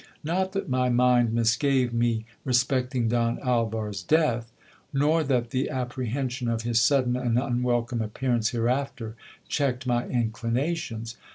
Not that my mind misgave me respect ing Don Alvar's death ; nor that the apprehension of his sudden and unwelcome appearance hereafter, checked my inclinations.